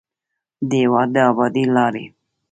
د هېواد د ابادۍ لارې